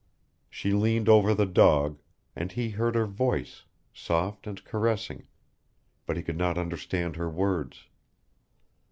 She leaned over the dog, and he heard her voice, soft and caressing, but he could not understand her words.